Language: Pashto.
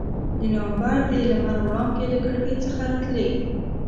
د نومبر د لمر وړانګې له کړکۍ څخه راتلې.